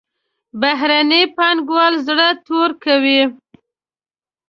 بهرني پانګوال زړه تور کوي.